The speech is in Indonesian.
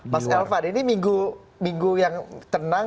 mas elvan ini minggu yang tenang